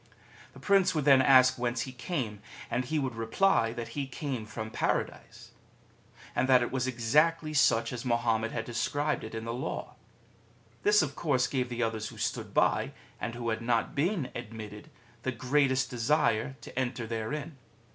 The Prince would then ask whence he came, and he would reply that he came from Paradise ! and that it was exactly such as Mahommet had described it in the Law. This of course gave the others who stood by, and who had not been admitted, the greatest desire to enter therein.